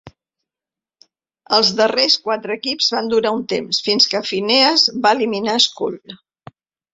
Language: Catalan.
Els darrers quatre equips van durar un temps, fins que Phineas va eliminar Skull.